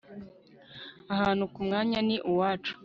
Ahantu kumwanya ni uwacu